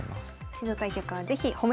指導対局は是非褒めてください